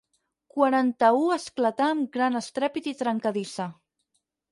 Quaranta-u esclatar amb gran estrèpit i trencadissa.